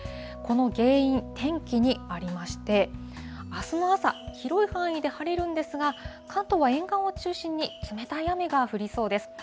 この原因、天気にありまして、あすの朝、広い範囲で晴れるんですが、関東は沿岸を中心に冷たい雨が降りそうです。